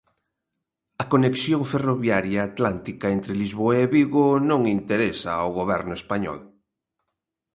A conexión ferroviaria atlántica entre Lisboa e Vigo non interesa ao Goberno español.